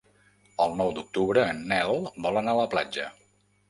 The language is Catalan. El nou d'octubre en Nel vol anar a la platja.